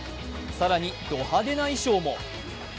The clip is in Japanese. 更にド派手な衣装も。